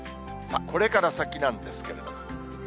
これから先なんですけれども。